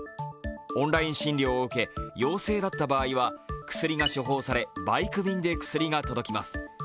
オンライン診療を受け陽性だった場合は、薬が処方され薬がバイク便で届きます。